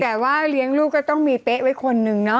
แต่ว่าเลี้ยงลูกก็ต้องมีเป๊ะไว้คนนึงเนาะ